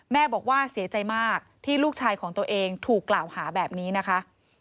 แม่บอกว่าเสียใจมากที่ลูกชายของตัวเองถูกกล่าวหาแบบนี้นะคะ